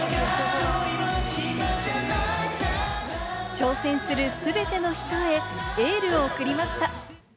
挑戦する全ての人へ、エールを送りました。